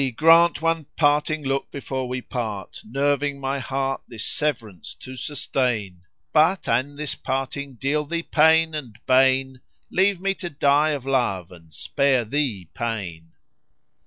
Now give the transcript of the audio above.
grant one parting look before we part, * Nerving my heart this severance to sustain: But, an this parting deal thee pain and bane, * Leave me to die of love and spare thee pain!"